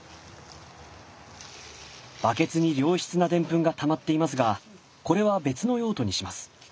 バケツに良質なデンプンがたまっていますがこれは別の用途にします。